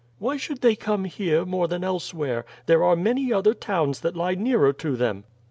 "Why should they come here more than elsewhere? There are many other towns that lie nearer to them."